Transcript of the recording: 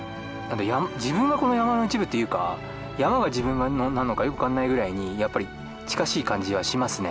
自分がこの山の一部っていうか山が自分なのかよく分かんないぐらいにやっぱり近しい感じはしますね。